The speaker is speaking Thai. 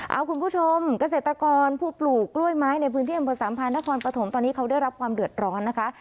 เอาคุณผู้ชมเกษตรกรผู้ปลูกกล้วยไม้ในพื้นที่อำเภอสามพานนครปฐมตอนนี้เขาได้รับความเดือดร้อนนะคะ